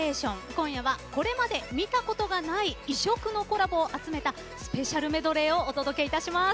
今夜は、これまで見たことがない異色のコラボを集めたスペシャルメドレーをお届けいたします。